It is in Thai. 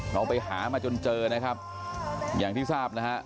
เราไปหามาจนเจอนะครับอย่างที่ทราบนะฮะ